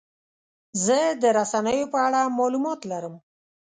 زه د رسنیو په اړه معلومات لرم.